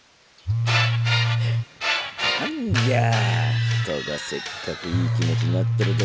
何じゃ人がせっかくいい気持ちになってる時に。